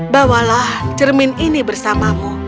bawalah cermin ini bersamamu